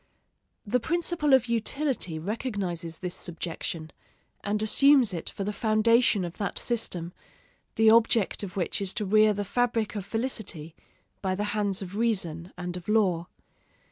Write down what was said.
The principle of utility recognizes this subjection, and assumes it for the foundation of that system, the object of which is to rear the fabric of felicity by the hands of reason and of law.